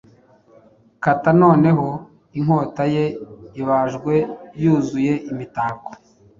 Kata noneho inkota ye ibajwe yuzuye imitako